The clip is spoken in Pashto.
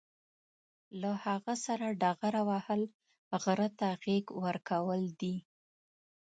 له هغه سره ډغره وهل، غره ته غېږ ورکول دي.